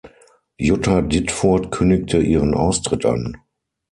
Jutta Ditfurth kündigte ihren Austritt an.